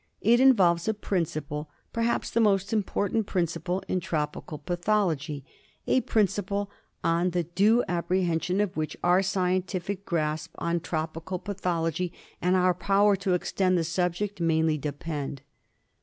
It involves a principle, perhaps the most important prin ciple, in tropical pathology; a principle on the due appre hension of which our scientific grasp on tropical pathology and our power to extend the subject mainly depend.